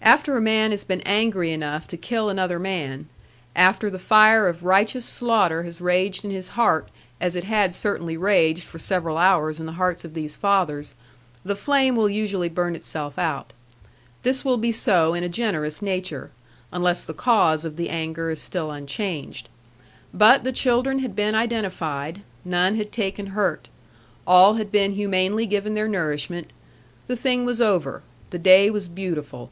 After a man has been angry enough to kill another man, after the fire of righteous slaughter has raged in his heart as it had certainly raged for several hours in the hearts of these fathers, the flame will usually burn itself out. This will be so in a generous nature, unless the cause of the anger is still unchanged. But the children had been identified; none had taken hurt. All had been humanely given their nourishment. The thing was over. The day was beautiful.